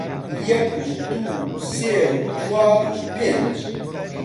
یەک و دوو و سێ و چوار و پێنج